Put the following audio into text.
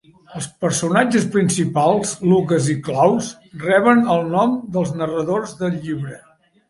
Els personatges principals, Lucas i Claus, reben el nom dels narradors del llibre.